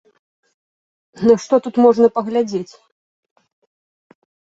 На што тут можна паглядзець?